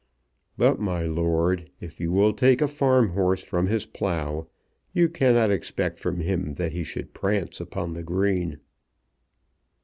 But, my lord, if you will take a farm horse from his plough you cannot expect from him that he should prance upon the green."